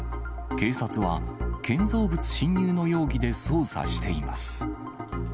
警察は建造物侵入の容疑で捜査しています。